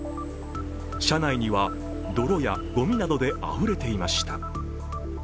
車内には泥やごみなどであふれていました。